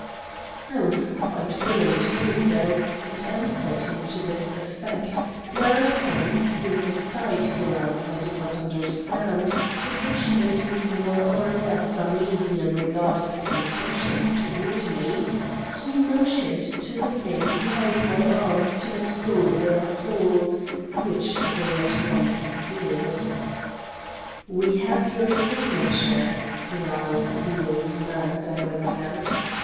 I was quite willing to do so, and answered him to this effect; whereupon, with a side glance I did not understand but which made me more or less uneasy in regard to his intentions towards me, he motioned to the men who held my arms to let go their hold, which they at once did. "'We have your signature,' growled the old man as I went out.